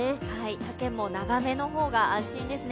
丈も長めの方が安心ですね。